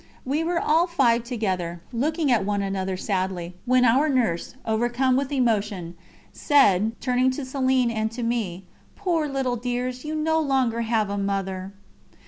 We were all five together, looking at one another sadly, when our nurse, overcome with emotion, said, turning to Céline and to me: "Poor little dears, you no longer have a Mother."